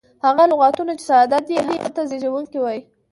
هغه لغتونه، چي ساده دي هغه ته زېږوونکی وایي.